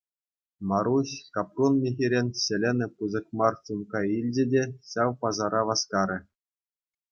Маруҫ капрун михӗрен ҫӗленӗ пысӑках мар сумка илчӗ те ҫав пасара васкарӗ.